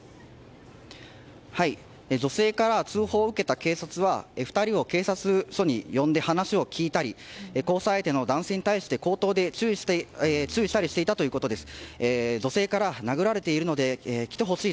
女性から通報を受けた警察は２人を警察署に呼んで話を聞いたり交際相手の男性に対して口頭で注意したりしていたということです。